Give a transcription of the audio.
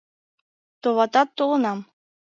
“Товатат, толынам”.